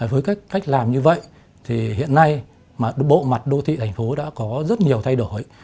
với cách làm như vậy thì hiện nay bộ mặt đô thị thành phố đã có rất nhiều thay đổi